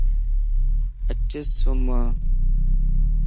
اچ سُمَ